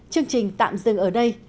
chương trình tạm dừng ở đây